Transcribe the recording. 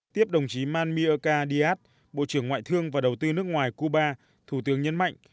tiếp đồng chí manmiaka dyat bộ trưởng ngoại thương và đầu tư nước ngoài cuba thủ tướng nhấn mạnh